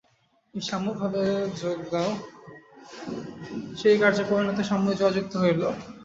এই সাম্যভাবে যোগ দাও! সেই কার্যে পরিণত সাম্যই জয়যুক্ত হইল।